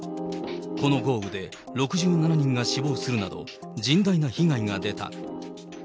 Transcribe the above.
この豪雨で６７人が死亡するなど、甚大な被害が出た。